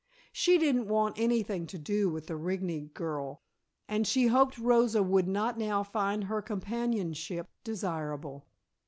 She didn't want anything to do with the Rigney girl, and she hoped Rosa would not now find her companionship desirable.